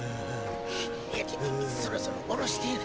そろそろ降ろしてぇな。